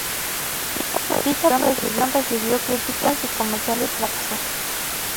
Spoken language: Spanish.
Dicha producción recibió críticas tibias y comercialmente fracasó.